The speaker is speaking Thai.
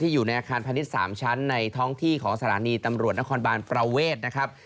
อยู่ในอาคารพาณิชย์๓ชั้นในท้องที่ของสถานีตำรวจนครบานประเวทนะครับ